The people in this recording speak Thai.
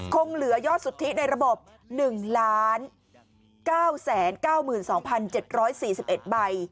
คงเหลือยอดสุทธิในระบบ๑๙๙๒๗๔๑ใบ